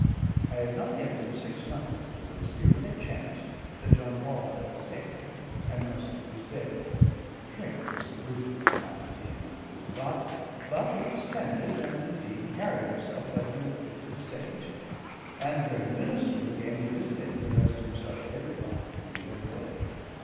I had not yet been six months at Durrisdeer when it chanced that John Paul fell sick and must keep his bed; drink was the root of his malady, in my poor thought; but he was tended, and indeed carried himself, like an afflicted saint; and the very minister, who came to visit him, professed himself edified when he went away.